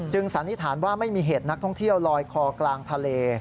สันนิษฐานว่าไม่มีเหตุนักท่องเที่ยวลอยคอกลางทะเล